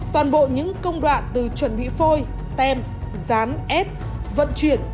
toàn bộ những công đoạn từ chuẩn bị phôi tem rán ép vận chuyển